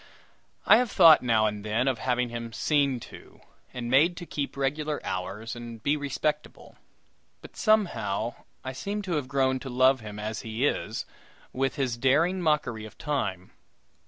I have thought now and then of having him "seen to," and made to keep regular hours and be respectable; but, somehow, I seem to have grown to love him as he is with his daring mockery of Time.